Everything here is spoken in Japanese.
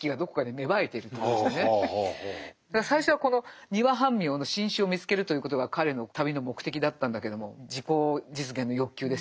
だから最初はこのニワハンミョウの新種を見つけるということが彼の旅の目的だったんだけども自己実現の欲求ですよね。